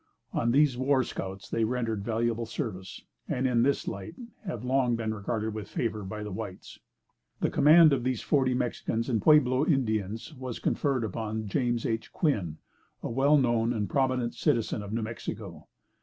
On these war scouts they rendered valuable service, and in this light, have been long regarded with favor by the whites. The command of these forty Mexicans and Pueblo Indians was conferred upon James H. Quinn, a well known and prominent citizen of New Mexico.